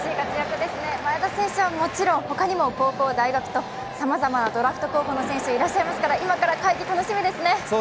前田選手はもちろん、他にも高校、大学とドラフト候補の選手、いらっしゃいますから今から楽しみですね。